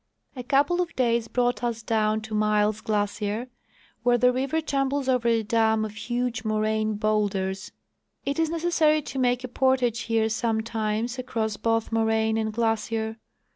A couple of clays brought us down to Miles glacier, where the river tumbles over a dam of huge moraine bowlders. It is necessary to make a portage here sometimes across both moraine and glacier.